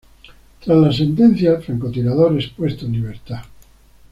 Tras la sentencia, el francotirador es puesto en libertad.